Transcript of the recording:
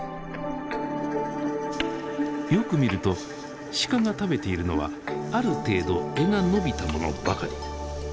よく見るとシカが食べているのはある程度柄が伸びたものばかり。